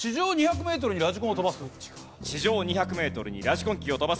地上２００メートルにラジコン機を飛ばす。